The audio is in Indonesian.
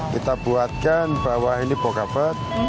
kita buatkan bahwa ini bokapet